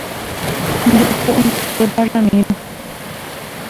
Nde po'aitépa Ramiro.